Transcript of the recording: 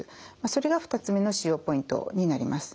それが２つ目の使用ポイントになります。